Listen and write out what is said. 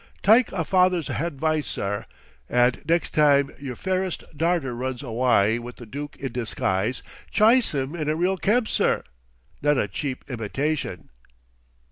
Tyke a father's hadvice, sir, and next time yer fairest darter runs awye with the dook in disguise, chyse 'em in a real kebsir, not a cheap imitashin....